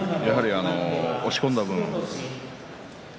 押し込んだ分宝